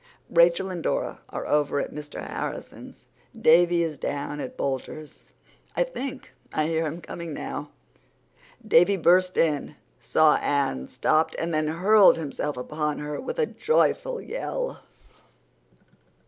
"Rachel and Dora are over at Mr. Harrison's. Davy is down at Boulters'. I think I hear him coming now." Davy burst in, saw Anne, stopped, and then hurled himself upon her with a joyful yell.